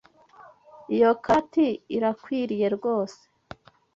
Iyo karuvati irakwiriye rwose.